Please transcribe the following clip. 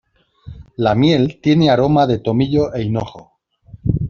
La miel tiene aroma de tomillo e hinojo.